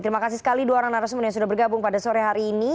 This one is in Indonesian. terima kasih sekali dua orang narasumber yang sudah bergabung pada sore hari ini